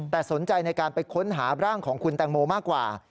แต่สนใจในการไปค้นหาร่างของคุณแตงโมมากกว่า